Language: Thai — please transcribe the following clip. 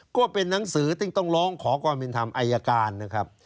ก็เป็นหนังสือที่ต้องร้องขอความเป็นธรรมอายการนะครับ